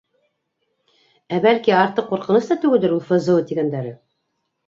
Ә, бәлки, артыҡ ҡурҡыныс та түгелдер ул ФЗО тигәндәре?